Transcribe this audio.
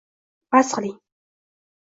Bas qiling!